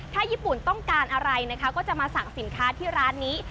ถ้าญี่ปุ่นต้องการอะไรนะคะก็จะมาสั่งสินค้าที่ร้านนี้